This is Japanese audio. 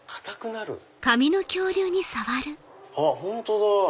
あっ本当だ。